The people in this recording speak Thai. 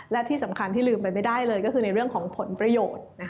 และที่สำคัญที่ลืมไปไม่ได้เลยก็คือในเรื่องของผลประโยชน์